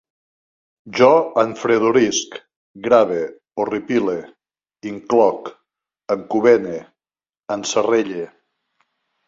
Jo enfredorisc, grave, horripile, incloc, encovene, encerrelle